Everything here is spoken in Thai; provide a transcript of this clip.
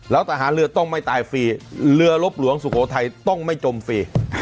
แล้วทหารเรือต้องไม่ตายฟรีเรือลบหลวงสุโขทัยต้องไม่จมฟรี